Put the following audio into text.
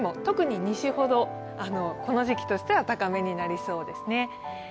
特に西ほど、この時期としては高めになりそうですね。